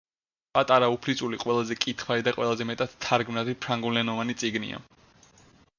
პატარა უფლისწული ყველაზე კითხვადი და ყველაზე მეტად თარგმანი ფრანგულენოვანი წიგნია.